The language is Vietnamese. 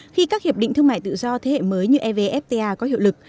khi các hiệp định thương mại tự do thế hệ mới như evfta có hiệu lực